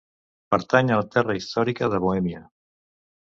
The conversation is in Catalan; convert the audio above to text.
Pertany a la terra històrica de Bohèmia.